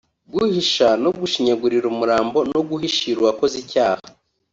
guhisha no gushinyagurira umurambo no guhishira uwakoze icyaha